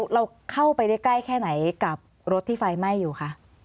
เราเข้าไปได้ใกล้แค่ไหนกับรถที่ไฟไหม้อยู่คะ